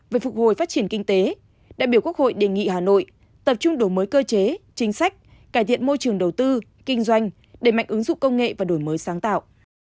về phục hồi phát triển kinh tế đại biểu quốc hội đề nghị hà nội tập trung đổi mới cơ chế chính sách cải thiện môi trường đầu tư kinh doanh đẩy mạnh ứng dụng công nghệ và đổi mới sáng tạo